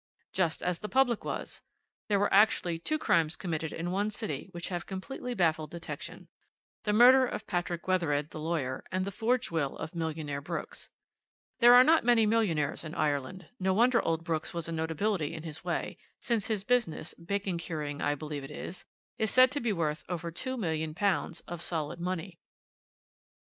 "Just as the public was. There were actually two crimes committed in one city which have completely baffled detection: the murder of Patrick Wethered the lawyer, and the forged will of Millionaire Brooks. There are not many millionaires in Ireland; no wonder old Brooks was a notability in his way, since his business bacon curing, I believe it is is said to be worth over £2,000,000 of solid money.